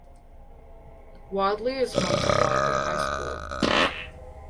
Wadley is home to Wadley High School.